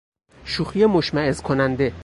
شوخی مشمئز کننده